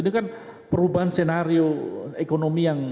ini kan perubahan skenario ekonomi yang